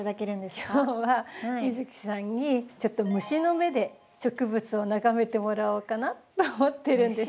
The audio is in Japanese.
今日は美月さんにちょっと虫の目で植物を眺めてもらおうかなと思ってるんです。